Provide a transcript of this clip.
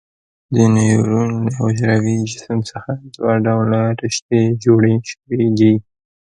د نیورون له حجروي جسم څخه دوه ډوله رشتې جوړې شوي دي.